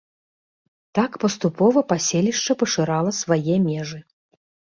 Так паступова паселішча пашырала свае межы.